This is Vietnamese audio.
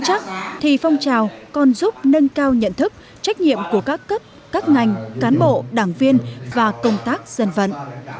chắc thì phong trào còn giúp nâng cao nhận thức trách nhiệm của các cấp các ngành cán bộ đảng viên và công tác dân vận